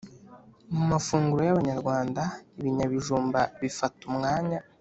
mu mafunguro y’abanyarwanda, ibinyabijumba bifata umwanya